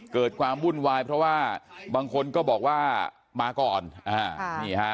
เกิดความวุ่นวายเพราะว่าบางคนก็บอกว่ามาก่อนอ่านี่ฮะ